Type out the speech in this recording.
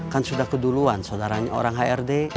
kan sudah keduluan saudaranya orang hrd